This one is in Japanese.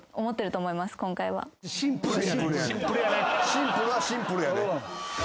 シンプルはシンプルやで。